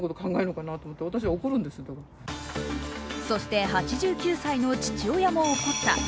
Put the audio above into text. そして、８９歳の父親も怒った。